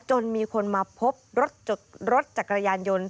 จนมีคนมาพบรถจักรยานยนต์